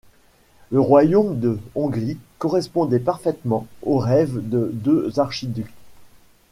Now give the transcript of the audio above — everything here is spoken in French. Le royaume de Hongrie correspondait parfaitement aux rêves des deux archiducs.